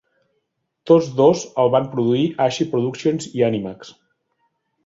Tots dos els van produir Ashi Productions i Animax.